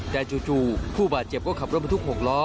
แต่จู่ผู้บาดเจ็บก็ขับรถบรรทุก๖ล้อ